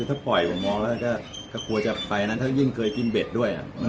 ถ้าปล่อยผมมองแล้วถ้ากลัวจะไปนั้นถ้ายิ่งเคยกินเบ็ดด้วย